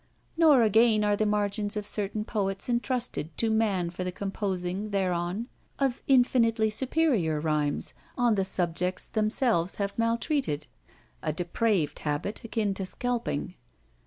Nor, again, are the margins of certain poets entrusted to man for the composing thereon of infinitely superior rhymes on the subjects themselves have maltreated: a depraved habit, akin to scalping.